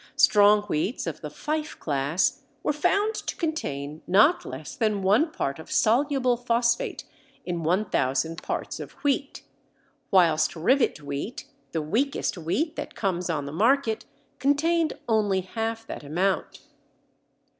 Strong wheats of the Fife class were found to contain not less than 1 part of soluble phosphate in 1000 parts of wheat, whilst Rivet wheat, the weakest wheat that comes on the market, contained only half that amount.